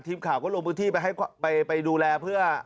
ทีมข่าวก็รวมพื้นที่ไปดูแลเพื่อ